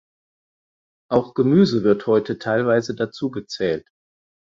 Auch Gemüse wird heute teilweise dazugezählt.